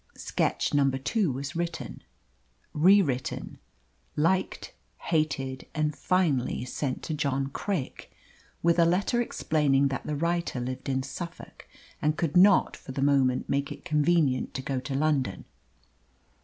Sketch number two was written, rewritten, liked, hated, and finally sent to John Craik, with a letter explaining that the writer lived in Suffolk, and could not for the moment make it convenient to go to London.